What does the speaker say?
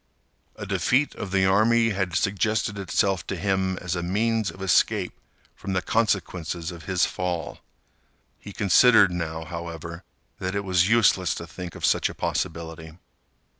A defeat of the army had suggested itself to him as a means of escape from the consequences of his fall. He considered, now, however, that it was useless to think of such a possibility.